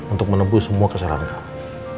untuk menembus semua kesalahan kami